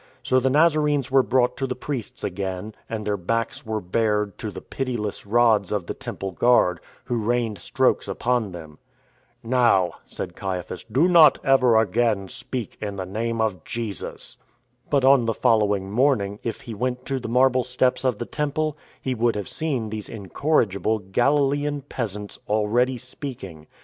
So the Nazarenes were brought to the priests again, and their backs were bared to the pitiless rods of the Temple Guard, who rained strokes upon them. " Now," said Caiaphas, " do not ever again speak in the name of Jesus." But on the following morning, if he went to the marble steps of the Temple, he would have seen these incorrigible Galilean peasants already speaking.